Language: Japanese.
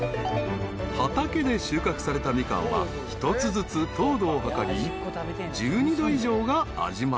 ［畑で収穫されたミカンは一つずつ糖度を測り１２度以上が味まる］